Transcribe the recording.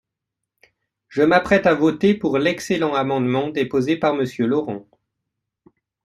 Je m’apprête à voter pour l’excellent amendement déposé par Monsieur Laurent.